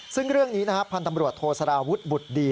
ซึ่งเรื่องนี้พันธุ์ตำรวจโทรสาราวุฒิบุตรดี